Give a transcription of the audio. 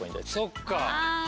そっか。